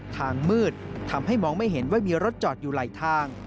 ทางมืดทำให้มองไม่เห็นว่ามีรถจอดอยู่ไหลทาง